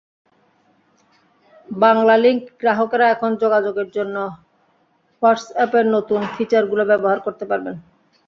বাংলালিংক গ্রাহকেরা এখন যোগাযোগের জন্য হোয়াটসঅ্যাপের নতুন ফিচারগুলো ব্যবহার করতে পারবেন।